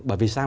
bởi vì sao